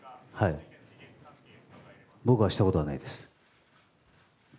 僕がしたことはないです。